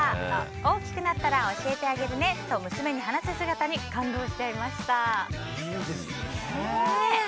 大きくなったら教えてあげるねと娘に話す姿にいいですね。